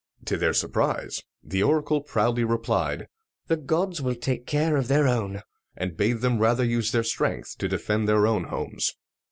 To their surprise, the oracle proudly replied, "The gods will take care of their own," and bade them rather use their strength to defend their own homes.